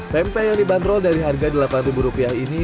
pempek yang dibanderol dari harga delapan rupiah ini